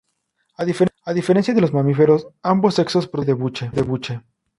A diferencia de los mamíferos, ambos sexos producen leche de buche.